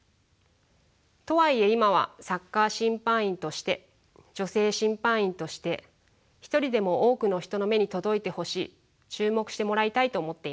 とはいえ今はサッカー審判員として女性審判員として一人でも多くの人の目に届いてほしい注目してもらいたいと思っています。